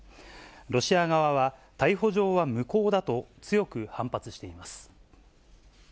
ロシア側は、逮捕状は無効だと強く反発しています。